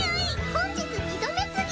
本日２度目つぎ。